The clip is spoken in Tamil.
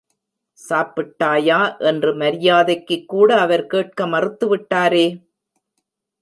சாப்பிட்டாயா என்று மரியாதைக்குக்கூட அவர் கேட்க மறுத்துவிட்டாரே!